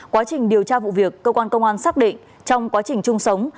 quá trình điều tra vụ việc cơ quan công an xác định trong quá trình chung sống